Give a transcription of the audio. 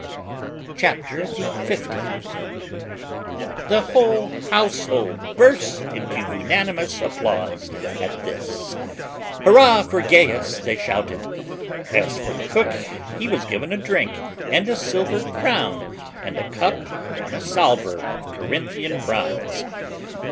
CHAPTER THE FIFTIETH. The whole household burst into unanimous applause at this; "Hurrah for Gaius," they shouted. As for the cook, he was given a drink and a silver crown and a cup on a salver of Corinthian bronze.